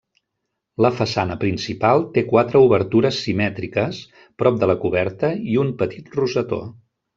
La façana principal té quatre obertures simètriques prop de la coberta i un petit rosetó.